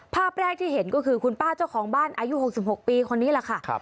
ภาพแรกที่เห็นก็คือคุณป้าเจ้าของบ้านอายุ๖๖ปีคนนี้แหละค่ะ